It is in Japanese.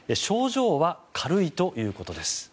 症状は軽いということです。